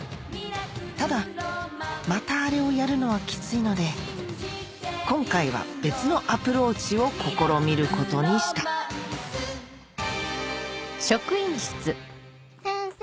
ただまたあれをやるのはキツいので今回は別のアプローチを試みることにした先生。